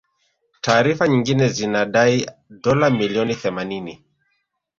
Taarifa nyingine zinadai dola milioni themanini